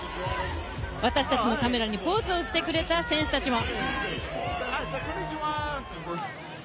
私たちのカメラにポーズをしてくれた選手たちも。